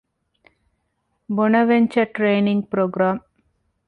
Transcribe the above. ބޮނަވެންޗަރ ޓްރެއިނިންގ ޕްރޮގްރާމް